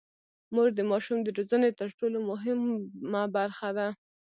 مور د ماشوم د روزنې تر ټولو مهمه برخه ده.